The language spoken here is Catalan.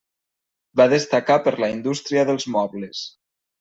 Va destacar per la indústria dels mobles.